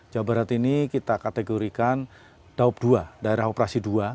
jawa barat ini kita kategorikan daup dua daerah operasi dua